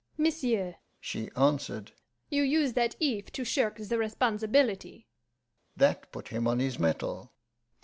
'Monsieur,' she answered, 'you use that "if" to shirk the responsibility.' That put him on his mettle.